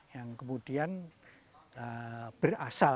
yang kemudian berasal